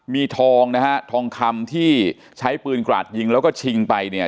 มีทองนะฮะทองคำที่ใช้ปืนกราดยิงแล้วก็ชิงไปเนี่ย